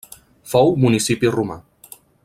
Fou municipi romà.